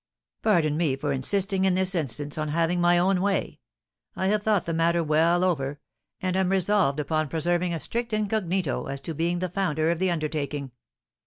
"Pardon me for insisting in this instance on having my own way. I have thought the matter well over, and am resolved upon preserving a strict incognito as to being the founder of the undertaking.